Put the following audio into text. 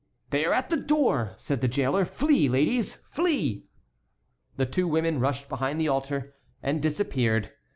"They are at the door," said the jailer; "flee, ladies, flee!" The two women rushed behind the altar and disappeared.